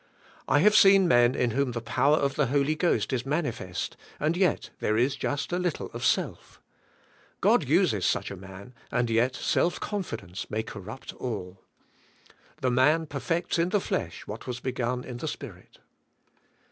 I have seen men in whom the power of the Holy Ghost is manifest, and yet there is just a little of self. God uses such a man, and yet self confidence may corrupt all. The man perfects in the flesh what was begun in the Spirit.